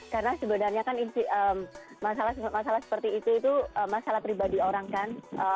karena sebenarnya kan masalah seperti itu itu masalah pribadi orang kan